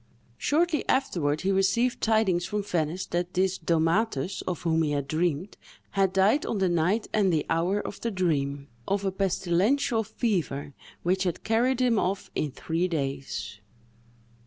Shortly afterward he received tidings from Venice that this Domatus, of whom he had dreamed, had died on the night and at the hour of the dream, of a pestilential fever, which had carried him off in three days.